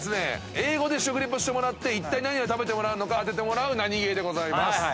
英語で食レポしてもらっていったい何を食べているのか当ててもらうナニゲーでございます。